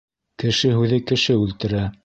Кеше һүҙе кеше үлтерә.